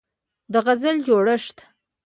د غزل جوړښت